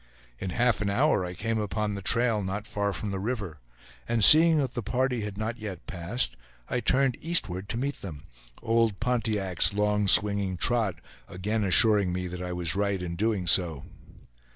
In half an hour I came upon the trail, not far from the river; and seeing that the party had not yet passed, I turned eastward to meet them, old Pontiac's long swinging trot again assuring me that I was right in doing so.